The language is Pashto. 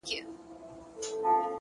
لوړ هدفونه استقامت او نظم غواړي’